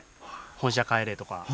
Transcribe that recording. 本社帰れとか。